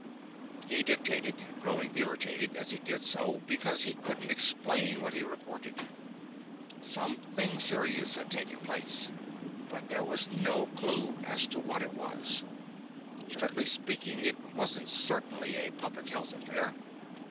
He dictated, growing irritated as he did so because he couldn't explain what he reported. Something serious had taken place, but there was no clue as to what it was. Strictly speaking, it wasn't certainly a public health affair.